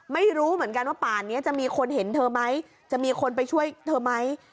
ไม่รู้เหมือนกันว่าป่านนี้จะมีคนเห็นเธอไหมจะมีคนไปช่วยเธอไหม